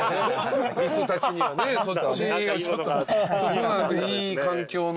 そうなんですいい環境の。